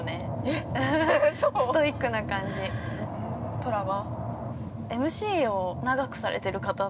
◆トラは？